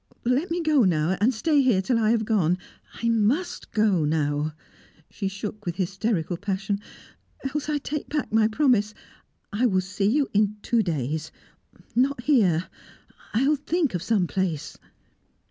Let me go now, and stay here till I have gone. I must go now!" She shook with hysterical passion. "Else I take back my promise! I will see you in two days; not here; I will think of some place."